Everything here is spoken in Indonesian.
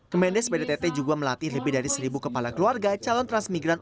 kemendes bdtt juga melatih lebih dari seribu kepala keluarga calon transmigran